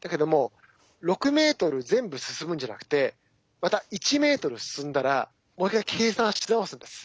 だけども６ｍ全部進むんじゃなくてまた１ｍ進んだらもう一回計算し直すんです。